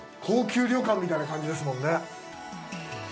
高級旅館みたいな感じですもんね。